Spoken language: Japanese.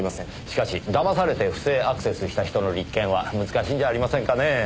しかし騙されて不正アクセスした人の立件は難しいんじゃありませんかねぇ。